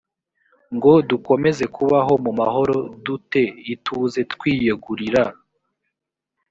ngo dukomeze kubaho mu mahoro du te ituze twiyegurira